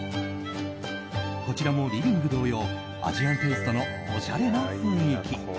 こちらもリビング同様アジアンテイストのおしゃれな雰囲気。